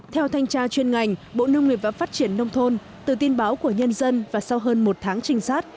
theo thanh tra chuyên ngành bộ nông nghiệp và phát triển nông thôn từ tin báo của nhân dân và sau hơn một tháng trinh sát